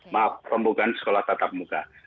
maaf pembukaan sekolah tatap muka